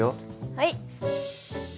はい。